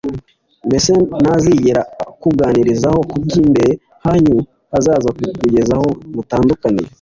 mbese ntazigera akuganirizaho ku by’imbere hanyu hazaza kugeza aho mutandukaniye